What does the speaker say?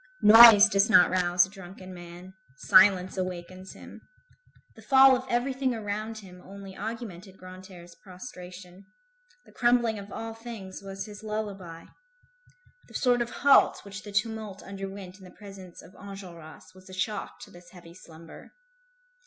Noise does not rouse a drunken man; silence awakens him. The fall of everything around him only augmented Grantaire's prostration; the crumbling of all things was his lullaby. The sort of halt which the tumult underwent in the presence of Enjolras was a shock to this heavy slumber.